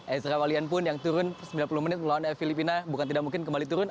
ezra walian pun yang turun sembilan puluh menit melawan filipina bukan tidak mungkin kembali turun